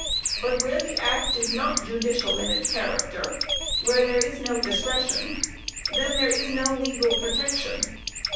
But where the act is not judicial in its character where there is no discretion then there is no legal protection.